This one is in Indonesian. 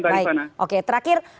baik oke terakhir